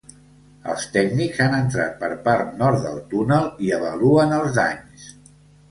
Els tècnics han entrat per part nord del túnel i avaluen els danys.